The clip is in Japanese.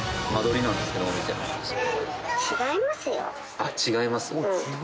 あっ違います？